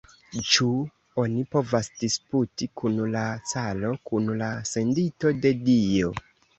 Ĉu oni povas disputi kun la caro, kun la sendito de Dio?